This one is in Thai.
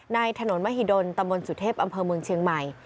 ถนนมหิดลตำบลสุเทพอำเภอเมืองเชียงใหม่